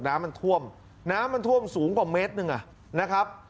น้ำมันท่วมน้ำมันท่วมสูงกว่าเมตรหนึ่งอ่ะนะครับ